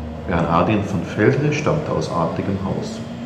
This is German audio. Bernhardin von Feltre stammte aus adligem Haus.